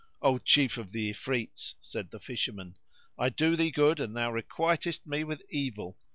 "O Chief of the Ifrits," said the Fisherman, "I do thee good and thou requitest me with evil!